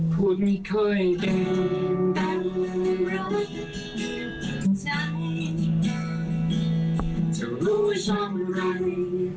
เพไลก์ชั้นเคยรู้รักทั้งที่